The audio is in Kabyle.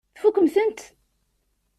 Tfukkem-tent?